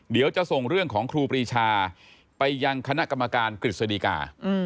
เดี๋ยวจะส่งเรื่องของครูปรีชาไปยังคณะกรรมการกฤษฎีกา